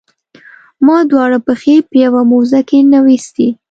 ما دواړه پښې په یوه موزه کې ننویستي.